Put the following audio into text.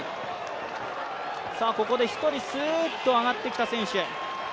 ここで１人、スーッと上がってきた選手。